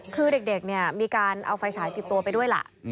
คือเด็กเนี่ยมีการเอาไฟฉายติดตัวไปด้วยล่ะ